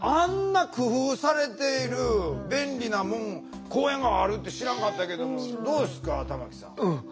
あんな工夫されている便利な公園があるって知らんかったけどもどうですか玉木さん。